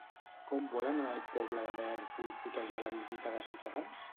Com volen en el poble d'Amer boicotejar la visita de Ciutadans?